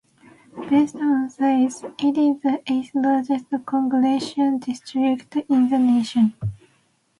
Based on size, it is the eighth largest congressional district in the nation.